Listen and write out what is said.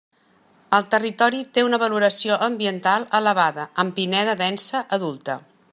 El territori té una valoració ambiental elevada amb pineda densa adulta.